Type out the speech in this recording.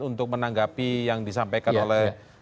untuk menanggapi yang disampaikan oleh